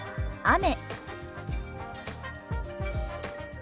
雨。